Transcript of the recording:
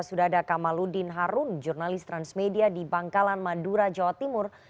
sudah ada kamaludin harun jurnalis transmedia di bangkalan madura jawa timur